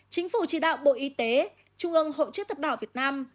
chính phủ chỉ đạo bộ y tế trung ương hội chức thập đảo việt nam